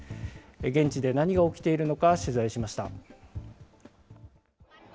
現地で何が起きているのか取材しました。